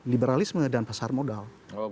liberalisme dan pasar modal